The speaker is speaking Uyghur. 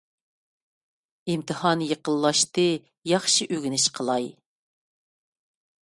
ئىمتىھان يېقىنلاشتى. ياخشى ئۆگىنىش قىلاي